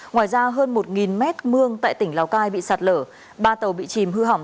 ngoài ra hơn một mét mương tại tỉnh lào cai bị sạt lở ba tàu bị chìm hư hỏng